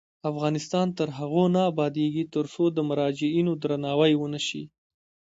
افغانستان تر هغو نه ابادیږي، ترڅو د مراجعینو درناوی ونشي.